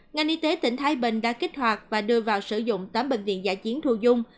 ngành y tế tỉnh thái bình đã kích hoạt và đưa vào sử dụng tám bệnh viện giả chiến thu dung